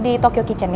di sur saber